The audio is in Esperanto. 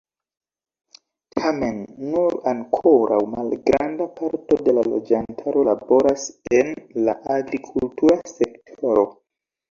Tamen nur ankoraŭ malgranda parto de la loĝantaro laboras en la agrikultura sektoro.